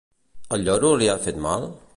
El lloro li ha fet mal?